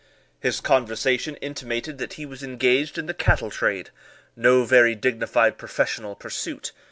His conversation intimated that he was engaged in the cattle trade, no very dignified professional pursuit.